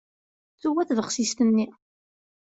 Tewwa tbexsist-nni.